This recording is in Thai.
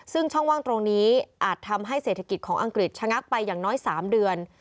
ซึ่งช่องว่างตรงนี้อาจทำให้เศรษฐกิจของอังกฤษชะงักไปอย่างน้อย๓เดือน